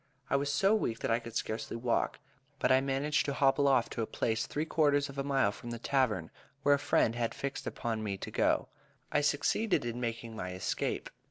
I was so weak, that I could scarcely walk, but I managed to hobble off to a place three quarters of a mile from the tavern, where a friend had fixed upon for me to go, if I succeeded in making my escape.